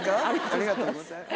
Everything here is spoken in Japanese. ありがとうございます